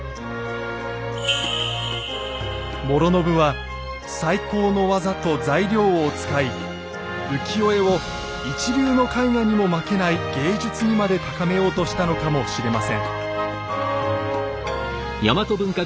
師宣は最高の技と材料を使い浮世絵を一流の絵画にも負けない芸術にまで高めようとしたのかもしれません。